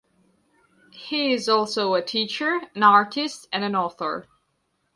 He is also a teacher, an artist and an author.